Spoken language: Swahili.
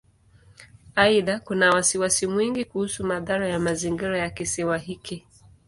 Aidha, kuna wasiwasi mwingi kuhusu madhara ya mazingira ya Kisiwa hiki.